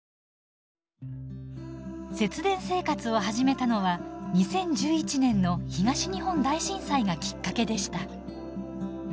節電生活を始めたのは２０１１年の東日本大震災がきっかけでした。